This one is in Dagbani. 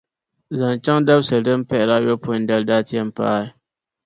Zaŋ chaŋ dabisili din pahiri ayopɔin dali daa ti yɛn paai.